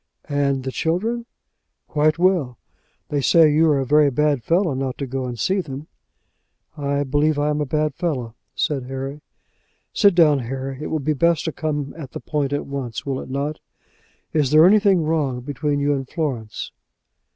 "And the children?" "Quite well. They say you are a very bad fellow not to go and see them." "I believe I am a bad fellow," said Harry. "Sit down, Harry. It will be best to come at the point at once; will it not? Is there anything wrong between you and Florence?"